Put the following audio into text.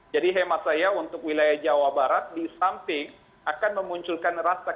jadi hemat saya untuk wilayah jawa barat di samping akan memunculkan rasa kecepatan